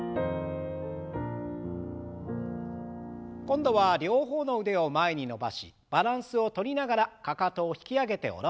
今度は両方の腕を前に伸ばしバランスをとりながらかかとを引き上げて下ろす運動。